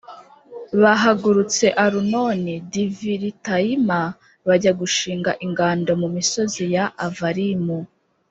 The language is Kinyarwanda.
bahagurutse alunoni-divilitayima, bajya gushinga ingando mu misozi ya avarimu